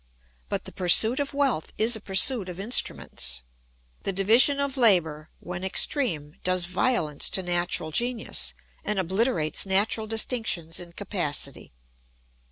But the pursuit of wealth is a pursuit of instruments. The division of labour when extreme does violence to natural genius and obliterates natural distinctions in capacity.